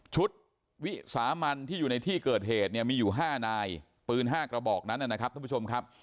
วิสามันที่อยู่ในที่เกิดเหตุเนี่ยมีอยู่๕นายปืน๕กระบอกนั้นนะครับท่านผู้ชมครับ